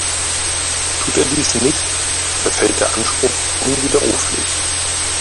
Tut er dies nicht, verfällt der Anspruch unwiderruflich.